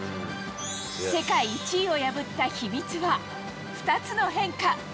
世界１位を破った秘密は、２つの変化。